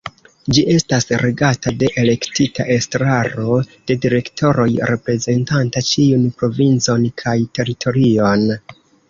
Ĝi estas regata de elektita Estraro de direktoroj reprezentanta ĉiun provincon kaj teritorion.